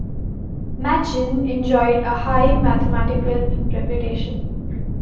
Machin enjoyed a high mathematical reputation.